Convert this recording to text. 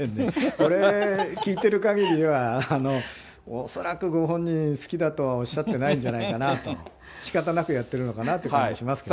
これ聴いてるかぎりでは、恐らくご本人、好きだとはおっしゃってないんじゃないかなと、しかたなくやってるのかなっていう感じしますけどね。